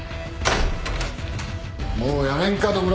もうやめんか野村！